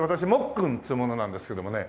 くんっつう者なんですけどもね。